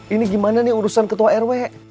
ini gimana nih urusan ketua rw